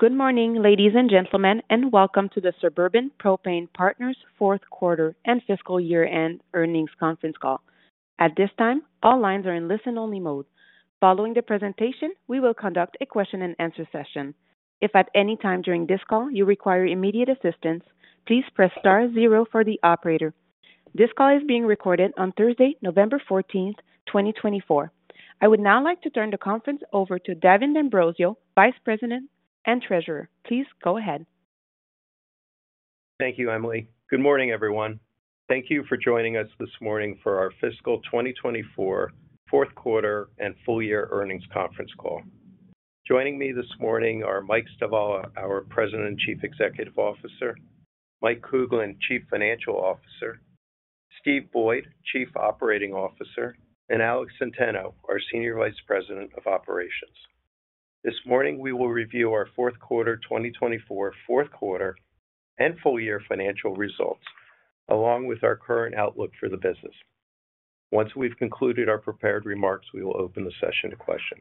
Good morning, ladies and gentlemen, and welcome to the Suburban Propane Partners fourth quarter and fiscal year-end earnings conference call. At this time, all lines are in listen-only mode. Following the presentation, we will conduct a question-and-answer session. If at any time during this call you require immediate assistance, please press star zero for the operator. This call is being recorded on Thursday, November 14th, 2024. I would now like to turn the conference over to Davin D'Ambrosio, Vice President and Treasurer. Please go ahead. Thank you, Emily. Good morning, everyone. Thank you for joining us this morning for our fiscal 2024 fourth quarter and full year earnings conference call. Joining me this morning are Mike Stivala, our President and Chief Executive Officer, Mike Kuglin, Chief Financial Officer, Steve Boyd, Chief Operating Officer, and Alex Centeno, our Senior Vice President of Operations. This morning, we will review our fourth quarter 2024 and full year financial results, along with our current outlook for the business. Once we've concluded our prepared remarks, we will open the session to questions.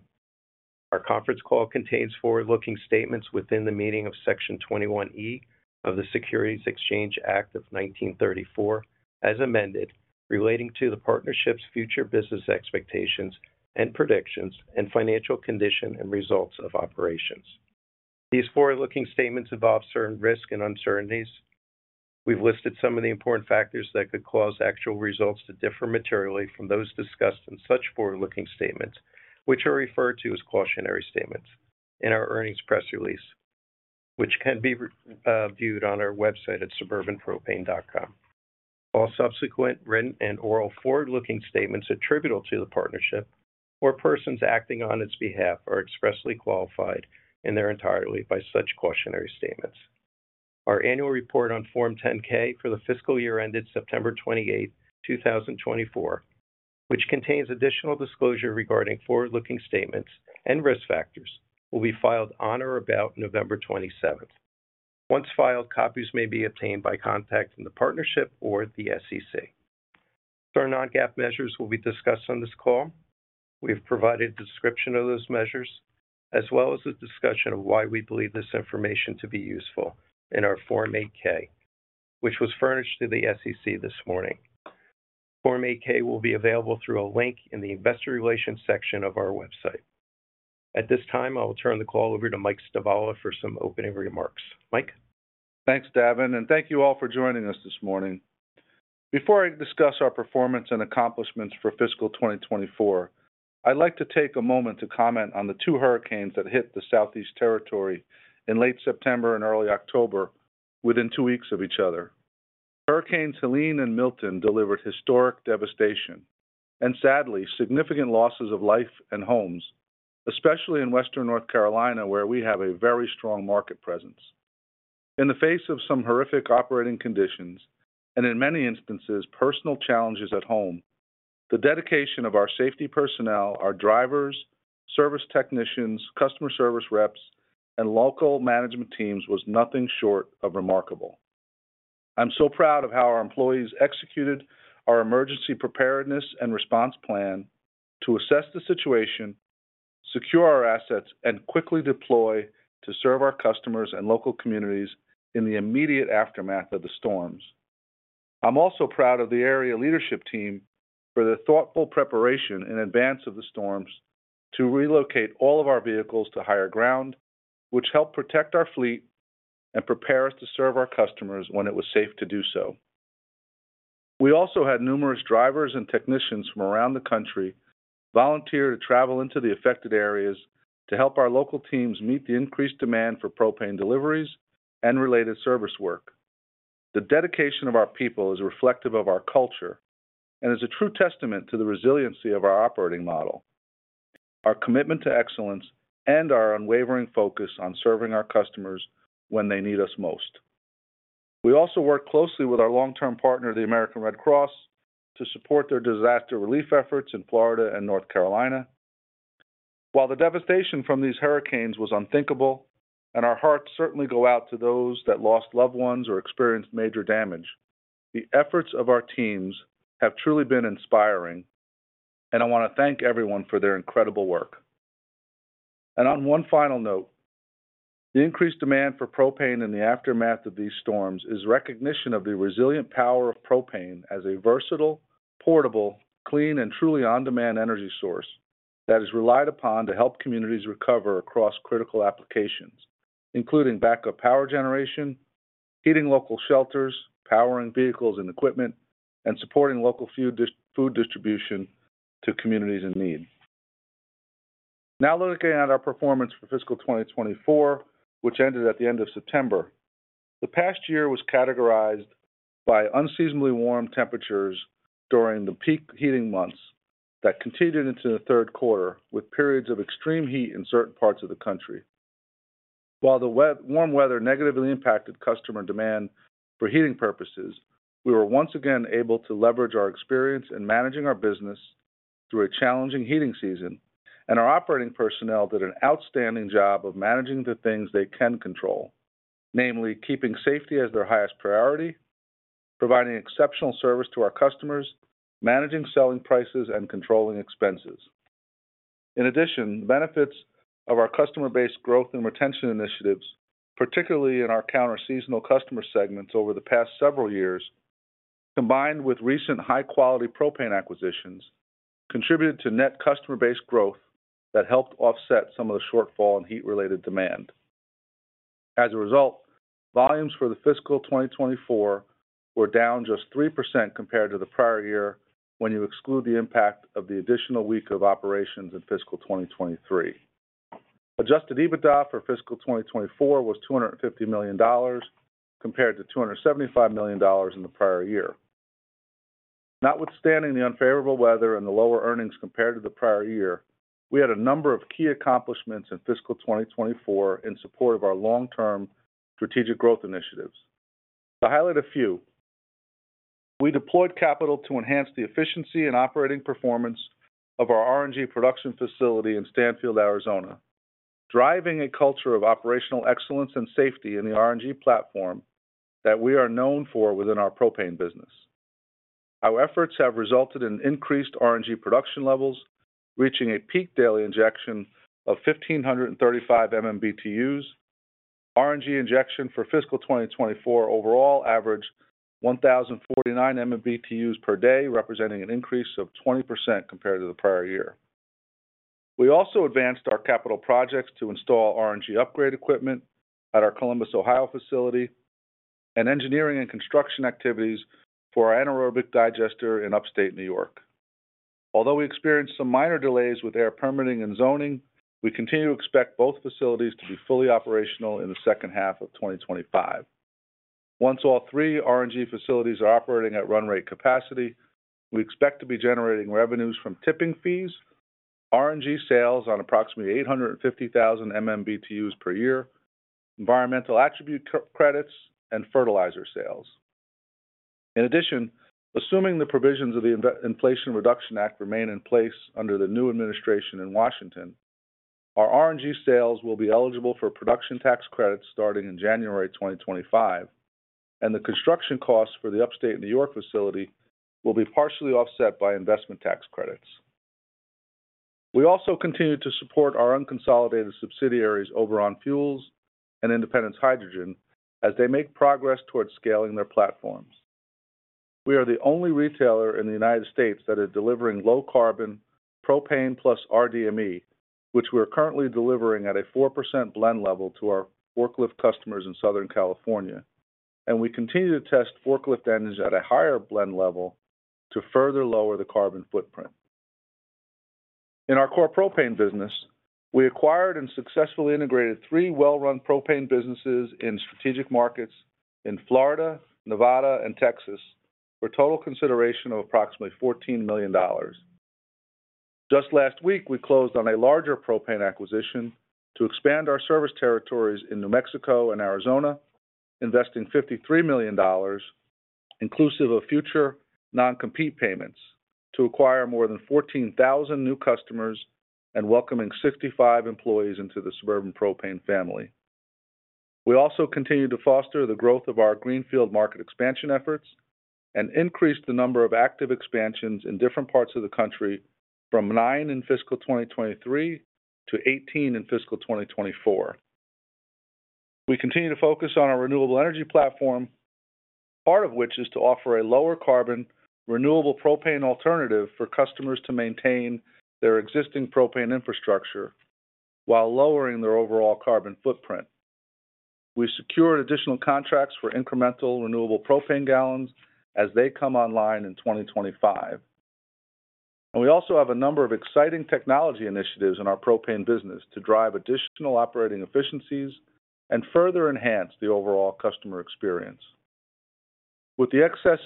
Our conference call contains forward-looking statements within the meaning of Section 21E of the Securities Exchange Act of 1934, as amended, relating to the partnership's future business expectations and predictions and financial condition and results of operations. These forward-looking statements involve certain risks and uncertainties. We've listed some of the important factors that could cause actual results to differ materially from those discussed in such forward-looking statements, which are referred to as cautionary statements, in our earnings press release, which can be viewed on our website at suburbanpropane.com. All subsequent written and oral forward-looking statements attributable to the partnership or persons acting on its behalf are expressly qualified in their entirety by such cautionary statements. Our annual report on Form 10-K for the fiscal year ended September 28th, 2024, which contains additional disclosure regarding forward-looking statements and risk factors, will be filed on or about November 27th. Once filed, copies may be obtained by contacting the partnership or the SEC. Today, non-GAAP measures will be discussed on this call. We have provided a description of those measures, as well as a discussion of why we believe this information to be useful in our Form 8-K, which was furnished to the SEC this morning. Form 8-K will be available through a link in the Investor Relations section of our website. At this time, I will turn the call over to Mike Stivala for some opening remarks. Mike. Thanks, Davin, and thank you all for joining us this morning. Before I discuss our performance and accomplishments for fiscal 2024, I'd like to take a moment to comment on the two hurricanes that hit the Southeast Territory in late September and early October, within two weeks of each other. Hurricanes Helene and Milton delivered historic devastation and, sadly, significant losses of life and homes, especially in western North Carolina, where we have a very strong market presence. In the face of some horrific operating conditions and, in many instances, personal challenges at home, the dedication of our safety personnel, our drivers, service technicians, customer service reps, and local management teams was nothing short of remarkable. I'm so proud of how our employees executed our emergency preparedness and response plan to assess the situation, secure our assets, and quickly deploy to serve our customers and local communities in the immediate aftermath of the storms. I'm also proud of the area leadership team for their thoughtful preparation in advance of the storms to relocate all of our vehicles to higher ground, which helped protect our fleet and prepare us to serve our customers when it was safe to do so. We also had numerous drivers and technicians from around the country volunteer to travel into the affected areas to help our local teams meet the increased demand for propane deliveries and related service work. The dedication of our people is reflective of our culture and is a true testament to the resiliency of our operating model, our commitment to excellence, and our unwavering focus on serving our customers when they need us most. We also work closely with our long-term partner, the American Red Cross, to support their disaster relief efforts in Florida and North Carolina. While the devastation from these hurricanes was unthinkable, and our hearts certainly go out to those that lost loved ones or experienced major damage, the efforts of our teams have truly been inspiring, and I want to thank everyone for their incredible work. And on one final note, the increased demand for propane in the aftermath of these storms is recognition of the resilient power of propane as a versatile, portable, clean, and truly on-demand energy source that is relied upon to help communities recover across critical applications, including backup power generation, heating local shelters, powering vehicles and equipment, and supporting local food distribution to communities in need. Now looking at our performance for fiscal 2024, which ended at the end of September, the past year was categorized by unseasonably warm temperatures during the peak heating months that continued into the third quarter, with periods of extreme heat in certain parts of the country. While the warm weather negatively impacted customer demand for heating purposes, we were once again able to leverage our experience in managing our business through a challenging heating season, and our operating personnel did an outstanding job of managing the things they can control, namely keeping safety as their highest priority, providing exceptional service to our customers, managing selling prices, and controlling expenses. In addition, the benefits of our customer-based growth and retention initiatives, particularly in our counter-seasonal customer segments over the past several years, combined with recent high-quality propane acquisitions, contributed to net customer-based growth that helped offset some of the shortfall in heat-related demand. As a result, volumes for the fiscal 2024 were down just 3% compared to the prior year when you exclude the impact of the additional week of operations in fiscal 2023. Adjusted EBITDA for fiscal 2024 was $250 million, compared to $275 million in the prior year. Notwithstanding the unfavorable weather and the lower earnings compared to the prior year, we had a number of key accomplishments in fiscal 2024 in support of our long-term strategic growth initiatives. To highlight a few, we deployed capital to enhance the efficiency and operating performance of our RNG production facility in Stanfield, Arizona, driving a culture of operational excellence and safety in the RNG platform that we are known for within our Propane business. Our efforts have resulted in increased RNG production levels, reaching a peak daily injection of 1,535 MMBtu. RNG injection for fiscal 2024 overall averaged 1,049 MMBtu per day, representing an increase of 20% compared to the prior year. We also advanced our capital projects to install RNG upgrade equipment at our Columbus, Ohio facility and engineering and construction activities for our anaerobic digester in Upstate New York. Although we experienced some minor delays with air permitting and zoning, we continue to expect both facilities to be fully operational in the second half of 2025. Once all three RNG facilities are operating at run rate capacity, we expect to be generating revenues from tipping fees, RNG sales on approximately 850,000 MMBtu per year, environmental attribute credits, and fertilizer sales. In addition, assuming the provisions of the Inflation Reduction Act remain in place under the new administration in Washington, our RNG sales will be eligible for production tax credits starting in January 2025, and the construction costs for the Upstate New York facility will be partially offset by investment tax credits. We also continue to support our unconsolidated subsidiaries, Oberon Fuels and Independence Hydrogen, as they make progress towards scaling their platforms. We are the only retailer in the United States that is delivering low-carbon Propane+rDME, which we are currently delivering at a 4% blend level to our forklift customers in Southern California, and we continue to test forklift engines at a higher blend level to further lower the carbon footprint. In our core propane business, we acquired and successfully integrated three well-run propane businesses in strategic markets in Florida, Nevada, and Texas for a total consideration of approximately $14 million. Just last week, we closed on a larger propane acquisition to expand our service territories in New Mexico and Arizona, investing $53 million, inclusive of future non-compete payments, to acquire more than 14,000 new customers and welcoming 65 employees into the Suburban Propane family. We also continue to foster the growth of our greenfield market expansion efforts and increase the number of active expansions in different parts of the country from 9 in fiscal 2023 to 18 in fiscal 2024. We continue to focus on our renewable energy platform, part of which is to offer a lower-carbon renewable propane alternative for customers to maintain their existing propane infrastructure while lowering their overall carbon footprint. We've secured additional contracts for incremental renewable propane gallons as they come online in 2025. And we also have a number of exciting technology initiatives in our Propane business to drive additional operating efficiencies and further enhance the overall customer experience. With the excess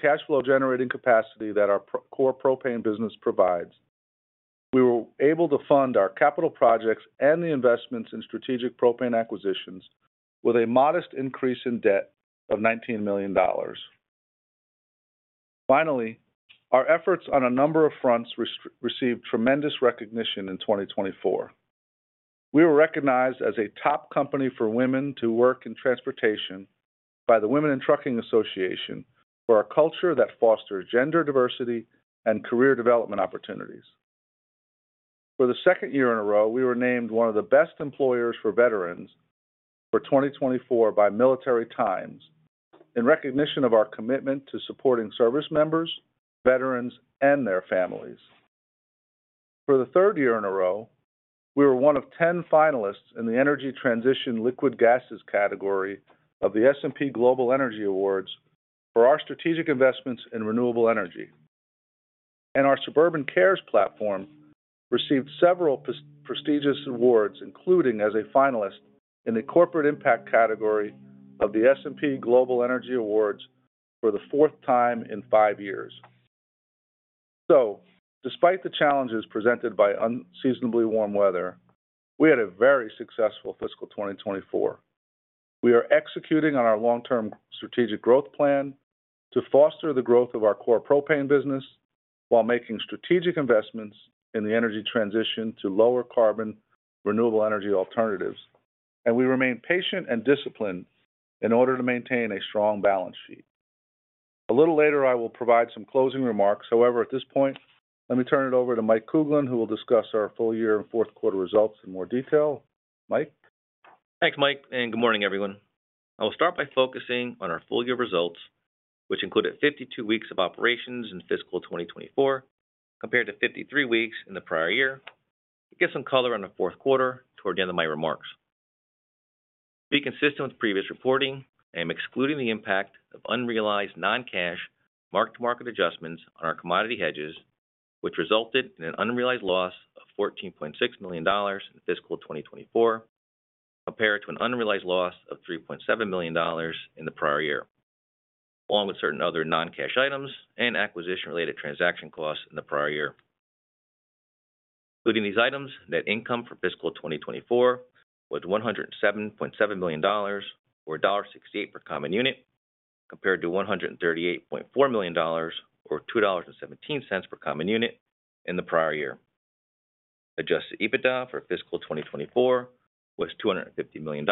cash flow generating capacity that our core propane business provides, we were able to fund our capital projects and the investments in strategic propane acquisitions with a modest increase in debt of $19 million. Finally, our efforts on a number of fronts received tremendous recognition in 2024. We were recognized as a Top Company for Women to Work in Transportation by the Women In Trucking Association for our culture that fosters gender diversity and career development opportunities. For the second year in a row, we were named one of the Best Employers for Veterans for 2024 by Military Times in recognition of our commitment to supporting service members, veterans, and their families. For the third year in a row, we were one of 10 finalists in the Energy Transition Liquid Gases category of the S&P Global Energy Awards for our strategic investments in renewable energy, and our Suburban Cares platform received several prestigious awards, including as a finalist in the Corporate Impact category of the S&P Global Energy Awards for the fourth time in five years. So, despite the challenges presented by unseasonably warm weather, we had a very successful fiscal 2024. We are executing on our long-term strategic growth plan to foster the growth of our core propane business while making strategic investments in the energy transition to lower-carbon renewable energy alternatives, and we remain patient and disciplined in order to maintain a strong balance sheet. A little later, I will provide some closing remarks. However, at this point, let me turn it over to Mike Kuglin, who will discuss our full year and fourth quarter results in more detail. Mike. Thanks, Mike, and good morning, everyone. I will start by focusing on our full year results, which included 52 weeks of operations in fiscal 2024 compared to 53 weeks in the prior year. To get some color on the fourth quarter toward the end of my remarks, to be consistent with previous reporting, I am excluding the impact of unrealized non-cash mark-to-market adjustments on our commodity hedges, which resulted in an unrealized loss of $14.6 million in fiscal 2024 compared to an unrealized loss of $3.7 million in the prior year, along with certain other non-cash items and acquisition-related transaction costs in the prior year. Including these items, net income for fiscal 2024 was $107.7 million or $1.68 per common unit compared to $138.4 million or $2.17 per common unit in the prior year. Adjusted EBITDA for fiscal 2024 was $250 million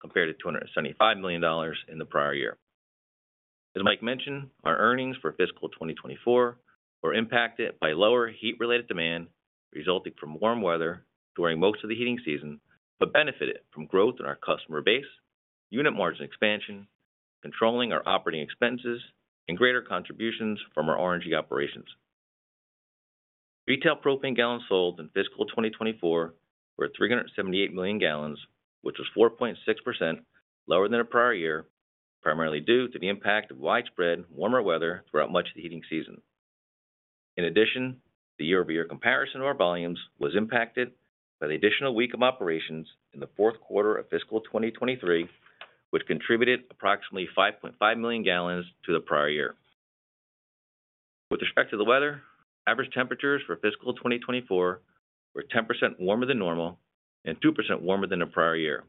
compared to $275 million in the prior year. As Mike mentioned, our earnings for fiscal 2024 were impacted by lower heat-related demand resulting from warm weather during most of the heating season, but benefited from growth in our customer base, unit margin expansion, controlling our operating expenses, and greater contributions from our RNG operations. Retail propane gallons sold in fiscal 2024 were 378 million gallons, which was 4.6% lower than the prior year, primarily due to the impact of widespread warmer weather throughout much of the heating season. In addition, the year-over-year comparison of our volumes was impacted by the additional week of operations in the fourth quarter of fiscal 2023, which contributed approximately 5.5 million gallons to the prior year. With respect to the weather, average temperatures for fiscal 2024 were 10% warmer than normal and 2% warmer than the prior year.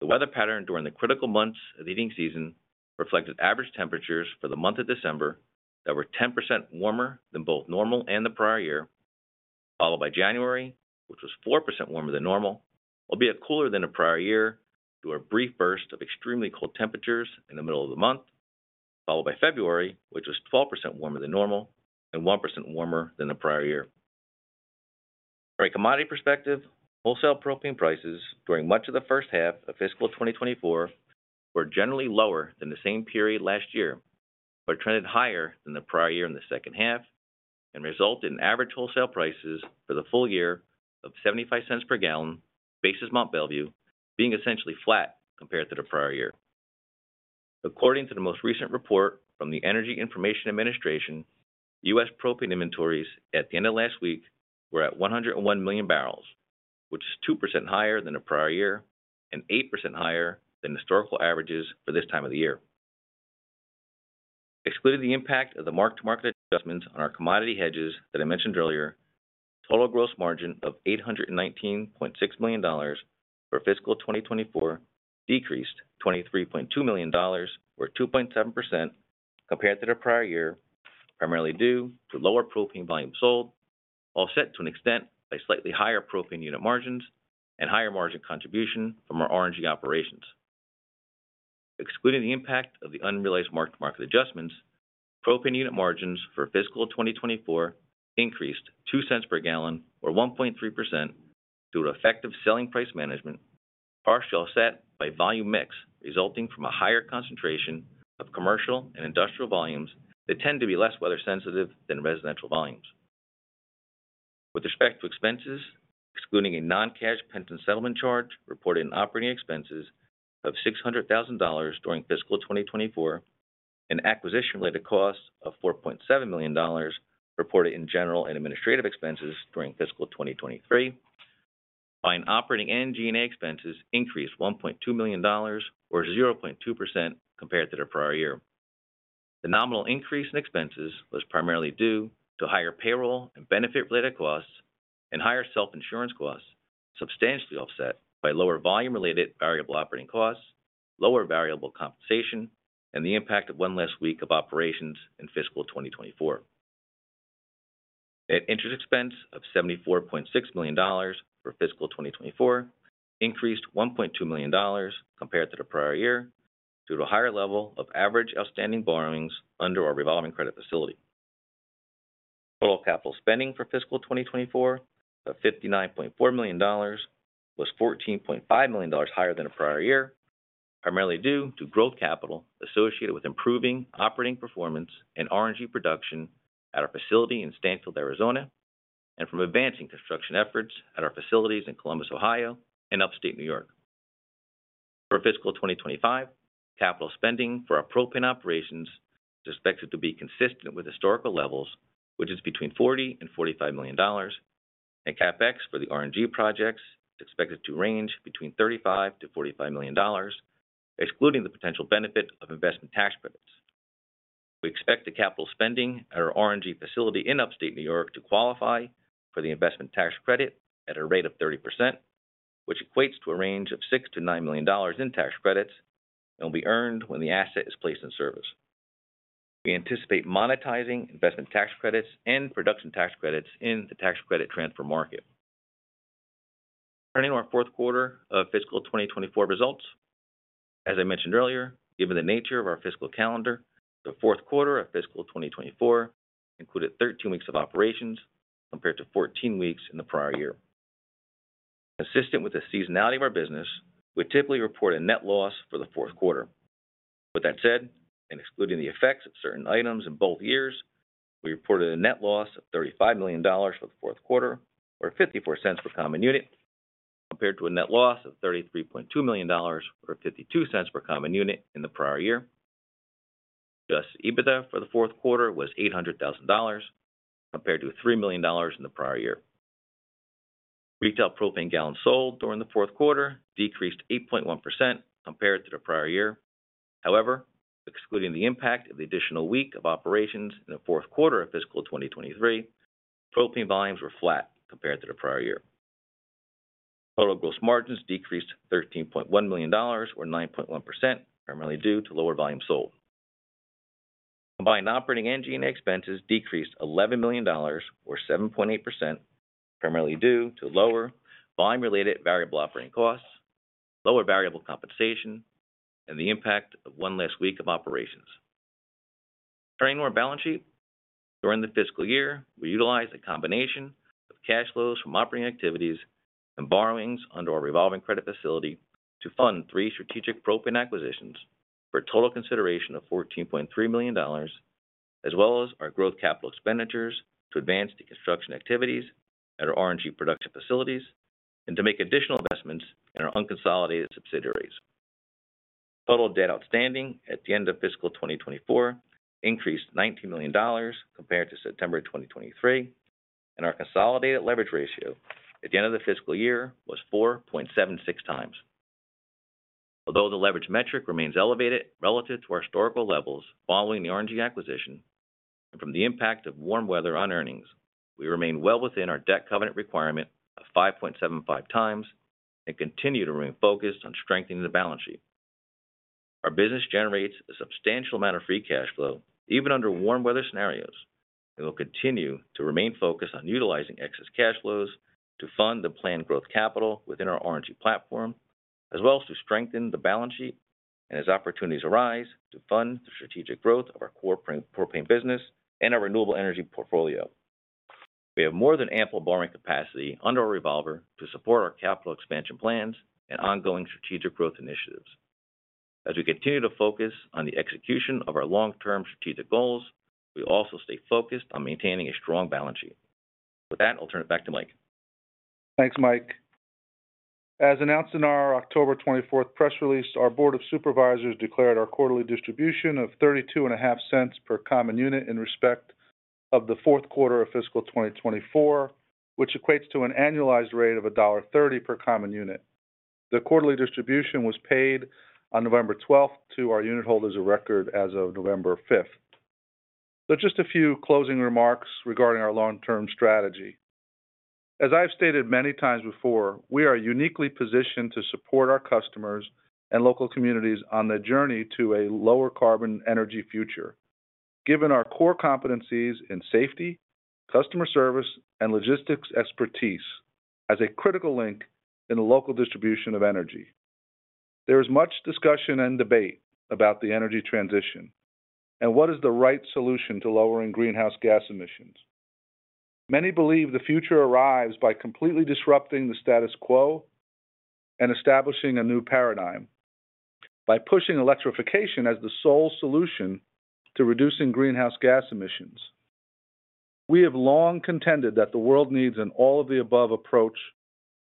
The weather pattern during the critical months of the heating season reflected average temperatures for the month of December that were 10% warmer than both normal and the prior year, followed by January, which was 4% warmer than normal, albeit cooler than the prior year due to a brief burst of extremely cold temperatures in the middle of the month, followed by February, which was 12% warmer than normal and 1% warmer than the prior year. From a commodity perspective, wholesale propane prices during much of the first half of fiscal 2024 were generally lower than the same period last year, but trended higher than the prior year in the second half and resulted in average wholesale prices for the full year of $0.75 per gallon at Mont Belvieu being essentially flat compared to the prior year. According to the most recent report from the Energy Information Administration, U.S. Propane inventories at the end of last week were at 101 million bbl, which is 2% higher than the prior year and 8% higher than historical averages for this time of the year. Excluding the impact of the mark-to-market adjustments on our commodity hedges that I mentioned earlier, total gross margin of $819.6 million for fiscal 2024 decreased $23.2 million or 2.7% compared to the prior year, primarily due to lower propane volume sold, offset to an extent by slightly higher propane unit margins and higher margin contribution from our RNG operations. Excluding the impact of the unrealized mark-to-market adjustments, propane unit margins for fiscal 2024 increased $0.02 per gallon or 1.3% due to effective selling price management, partially offset by volume mix resulting from a higher concentration of commercial and industrial volumes that tend to be less weather-sensitive than residential volumes. With respect to expenses, excluding a non-cash pension settlement charge reported in operating expenses of $600,000 during fiscal 2024, an acquisition-related cost of $4.7 million reported in general and administrative expenses during fiscal 2023, combined operating and G&A expenses increased $1.2 million or 0.2% compared to the prior year. The nominal increase in expenses was primarily due to higher payroll and benefit-related costs and higher self-insurance costs, substantially offset by lower volume-related variable operating costs, lower variable compensation, and the impact of one less week of operations in fiscal 2024. Net interest expense of $74.6 million for fiscal 2024 increased $1.2 million compared to the prior year due to a higher level of average outstanding borrowings under our revolving credit facility. Total capital spending for fiscal 2024 of $59.4 million was $14.5 million higher than the prior year, primarily due to growth capital associated with improving operating performance and RNG production at our facility in Stanfield, Arizona, and from advancing construction efforts at our facilities in Columbus, Ohio, and Upstate New York. For fiscal 2025, capital spending for our Propane operations is expected to be consistent with historical levels, which is between $40 and $45 million, and CapEx for the RNG projects is expected to range between $35 million-$45 million, excluding the potential benefit of investment tax credits. We expect the capital spending at our RNG facility in Upstate New York to qualify for the investment tax credit at a rate of 30%, which equates to a range of $6 million-$9 million in tax credits and will be earned when the asset is placed in service. We anticipate monetizing investment tax credits and production tax credits in the tax credit transfer market. Turning to our fourth quarter of fiscal 2024 results, as I mentioned earlier, given the nature of our fiscal calendar, the fourth quarter of fiscal 2024 included 13 weeks of operations compared to 14 weeks in the prior year. Consistent with the seasonality of our business, we typically report a net loss for the fourth quarter. With that said, and excluding the effects of certain items in both years, we reported a net loss of $35 million for the fourth quarter or $0.54 per common unit compared to a net loss of $33.2 million or $0.52 per common unit in the prior year. Adjusted EBITDA for the fourth quarter was $800,000 compared to $3 million in the prior year. Retail propane gallons sold during the fourth quarter decreased 8.1% compared to the prior year. However, excluding the impact of the additional week of operations in the fourth quarter of fiscal 2023, propane volumes were flat compared to the prior year. Total gross margins decreased $13.1 million or 9.1%, primarily due to lower volume sold. Combined operating and G&A expenses decreased $11 million or 7.8%, primarily due to lower volume-related variable operating costs, lower variable compensation, and the impact of one less week of operations. Turning to our balance sheet, during the fiscal year, we utilized a combination of cash flows from operating activities and borrowings under our revolving credit facility to fund three strategic propane acquisitions for a total consideration of $14.3 million, as well as our growth capital expenditures to advance the construction activities at our RNG production facilities and to make additional investments in our unconsolidated subsidiaries. Total debt outstanding at the end of fiscal 2024 increased $19 million compared to September 2023, and our consolidated leverage ratio at the end of the fiscal year was 4.76x. Although the leverage metric remains elevated relative to our historical levels following the RNG acquisition and from the impact of warm weather on earnings, we remain well within our debt covenant requirement of 5.75x and continue to remain focused on strengthening the balance sheet. Our business generates a substantial amount of free cash flow even under warm weather scenarios, and we'll continue to remain focused on utilizing excess cash flows to fund the planned growth capital within our RNG platform, as well as to strengthen the balance sheet and, as opportunities arise, to fund the strategic growth of our core propane business and our renewable energy portfolio. We have more than ample borrowing capacity under our revolver to support our capital expansion plans and ongoing strategic growth initiatives. As we continue to focus on the execution of our long-term strategic goals, we also stay focused on maintaining a strong balance sheet. With that, I'll turn it back to Mike. Thanks, Mike. As announced in our October 24th press release, our Board of Supervisors declared our quarterly distribution of $0.3250 per common unit in respect of the fourth quarter of fiscal 2024, which equates to an annualized rate of $1.30 per common unit. The quarterly distribution was paid on November 12th to our unitholders of record as of November 5th. So just a few closing remarks regarding our long-term strategy. As I've stated many times before, we are uniquely positioned to support our customers and local communities on the journey to a lower carbon energy future, given our core competencies in safety, customer service, and logistics expertise as a critical link in the local distribution of energy. There is much discussion and debate about the energy transition and what is the right solution to lowering greenhouse gas emissions. Many believe the future arrives by completely disrupting the status quo and establishing a new paradigm by pushing electrification as the sole solution to reducing greenhouse gas emissions. We have long contended that the world needs an all-of-the-above approach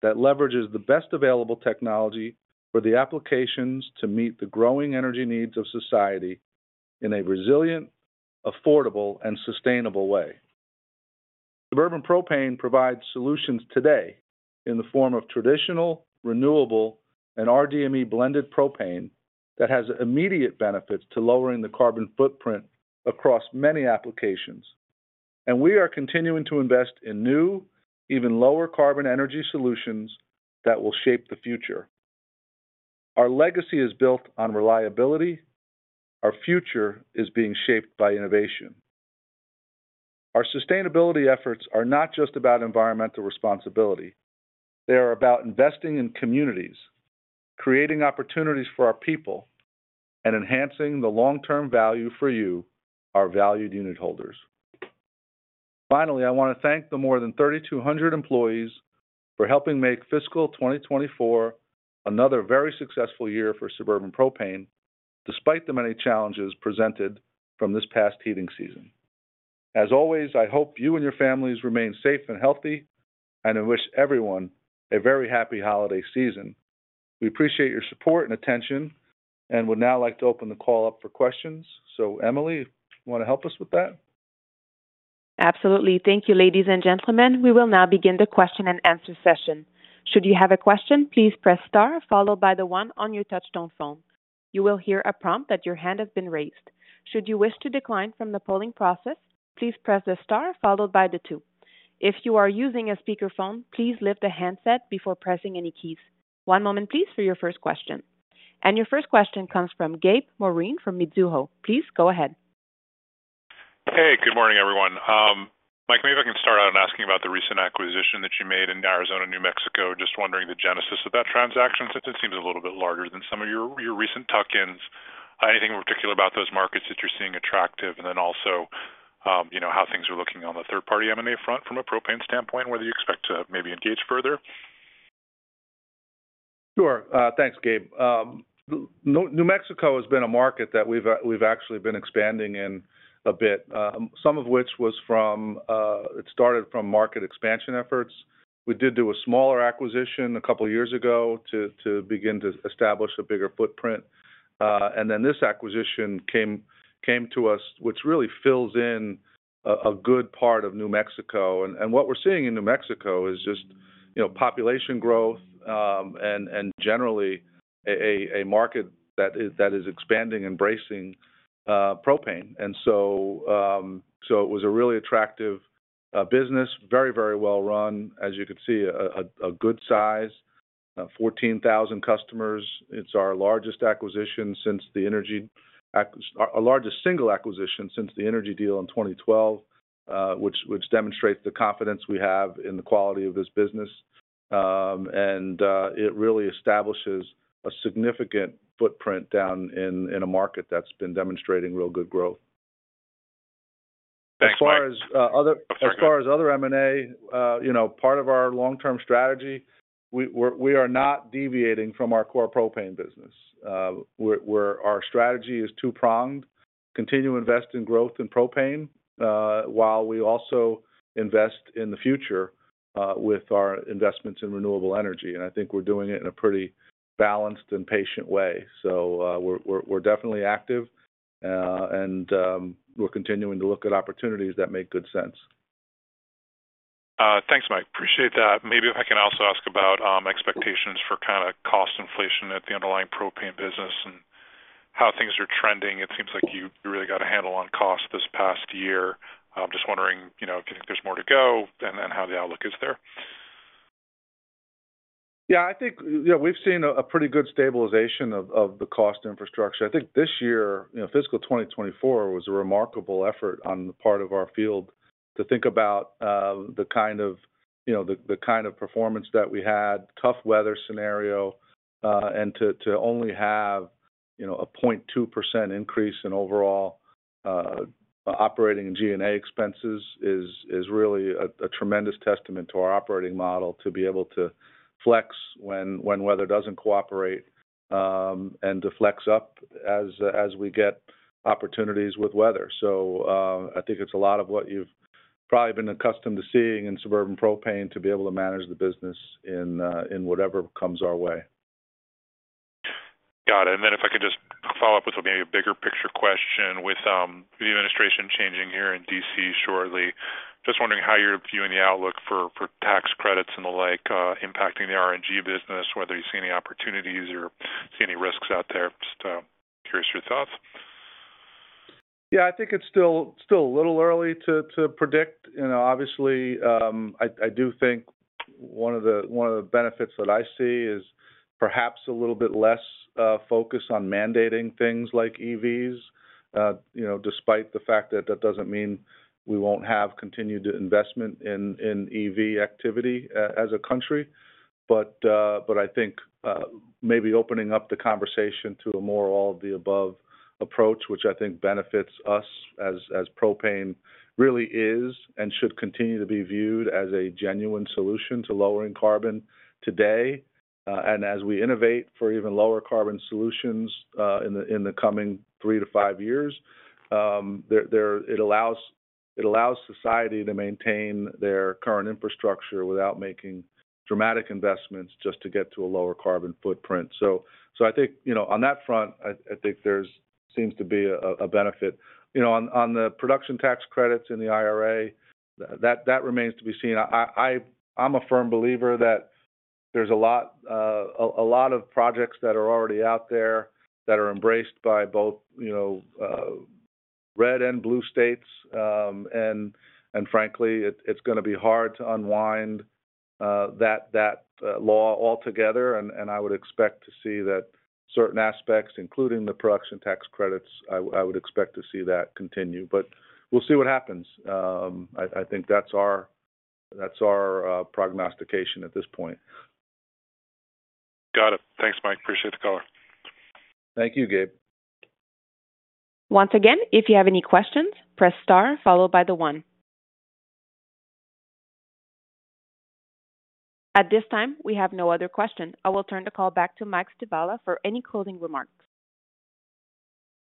that leverages the best available technology for the applications to meet the growing energy needs of society in a resilient, affordable, and sustainable way. Suburban Propane provides solutions today in the form of traditional, renewable, and rDME-blended propane that has immediate benefits to lowering the carbon footprint across many applications, and we are continuing to invest in new, even lower carbon energy solutions that will shape the future. Our legacy is built on reliability. Our future is being shaped by innovation. Our sustainability efforts are not just about environmental responsibility. They are about investing in communities, creating opportunities for our people, and enhancing the long-term value for you, our valued unitholders. Finally, I want to thank the more than 3,200 employees for helping make fiscal 2024 another very successful year for Suburban Propane, despite the many challenges presented from this past heating season. As always, I hope you and your families remain safe and healthy, and I wish everyone a very happy holiday season. We appreciate your support and attention, and would now like to open the call up for questions. So, Emily, if you want to help us with that. Absolutely. Thank you, ladies and gentlemen. We will now begin the question-and-answer session. Should you have a question, please press star followed by the one on your touch-tone phone. You will hear a prompt that your hand has been raised. Should you wish to decline from the polling process, please press the star followed by the two. If you are using a speakerphone, please lift the handset before pressing any keys. One moment, please, for your first question. And your first question comes from Gabe Moreen from Mizuho. Please go ahead. Hey, good morning, everyone. Mike, maybe I can start out on asking about the recent acquisition that you made in Arizona, New Mexico. Just wondering the genesis of that transaction, since it seems a little bit larger than some of your recent tuck-ins. Anything in particular about those markets that you're seeing attractive, and then also how things are looking on the third-party M&A front from a propane standpoint, and whether you expect to maybe engage further? Sure. Thanks, Gabe. New Mexico has been a market that we've actually been expanding in a bit, some of which was from it started from market expansion efforts. We did do a smaller acquisition a couple of years ago to begin to establish a bigger footprint. And then this acquisition came to us, which really fills in a good part of New Mexico. And what we're seeing in New Mexico is just population growth and, generally, a market that is expanding, embracing propane. And so it was a really attractive business, very, very well-run. As you can see, a good size, 14,000 customers. It's our largest single acquisition since the energy deal in 2012, which demonstrates the confidence we have in the quality of this business. And it really establishes a significant footprint down in a market that's been demonstrating real good growth. Thanks, Mike. As far as other M&A, part of our long-term strategy, we are not deviating from our core propane business. Our strategy is two-pronged: continue to invest in growth in propane while we also invest in the future with our investments in renewable energy. And I think we're doing it in a pretty balanced and patient way. So we're definitely active, and we're continuing to look at opportunities that make good sense. Thanks, Mike. Appreciate that. Maybe if I can also ask about expectations for kind of cost inflation at the underlying propane business and how things are trending. It seems like you really got a handle on costs this past year. I'm just wondering if you think there's more to go and how the outlook is there. Yeah, I think we've seen a pretty good stabilization of the cost infrastructure. I think this year, fiscal 2024, was a remarkable effort on the part of our field to think about the kind of performance that we had, tough weather scenario, and to only have a 0.2% increase in overall operating and G&A expenses is really a tremendous testament to our operating model to be able to flex when weather doesn't cooperate and to flex up as we get opportunities with weather. So I think it's a lot of what you've probably been accustomed to seeing in Suburban Propane to be able to manage the business in whatever comes our way. Got it. And then if I could just follow up with maybe a bigger picture question with the administration changing here in DC shortly. Just wondering how you're viewing the outlook for tax credits and the like impacting the RNG business, whether you see any opportunities or see any risks out there. Just curious your thoughts. Yeah, I think it's still a little early to predict. Obviously, I do think one of the benefits that I see is perhaps a little bit less focus on mandating things like EVs, despite the fact that that doesn't mean we won't have continued investment in EV activity as a country. But I think maybe opening up the conversation to a more all-of-the-above approach, which I think benefits us as propane really is and should continue to be viewed as a genuine solution to lowering carbon today. And as we innovate for even lower carbon solutions in the coming three to five years, it allows society to maintain their current infrastructure without making dramatic investments just to get to a lower carbon footprint. So I think on that front, I think there seems to be a benefit. On the production tax credits in the IRA, that remains to be seen. I'm a firm believer that there's a lot of projects that are already out there that are embraced by both red and blue states. And frankly, it's going to be hard to unwind that law altogether. And I would expect to see that certain aspects, including the production tax credits, I would expect to see that continue. But we'll see what happens. I think that's our prognostication at this point. Got it. Thanks, Mike. Appreciate the call. Thank you, Gabe. Once again, if you have any questions, press star followed by the one. At this time, we have no other question. I will turn the call back to Mike Stivala for any closing remarks.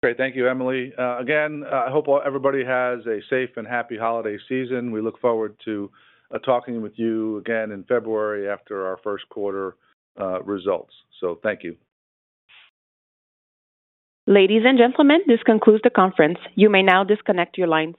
Great. Thank you, Emily. Again, I hope everybody has a safe and happy holiday season. We look forward to talking with you again in February after our first quarter results. So thank you. Ladies and gentlemen, this concludes the conference. You may now disconnect your lines.